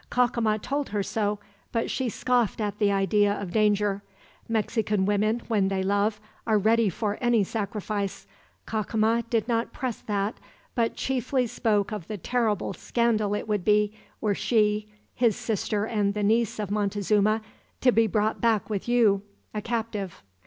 "Cacama told her so, but she scoffed at the idea of danger. Mexican women, when they love, are ready for any sacrifice. Cacama did not press that, but chiefly spoke of the terrible scandal it would be, were she his sister and the niece of Montezuma to be brought back with you, a captive."